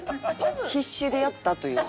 必死でやったという。